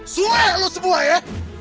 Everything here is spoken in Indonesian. sule lo sebuah ya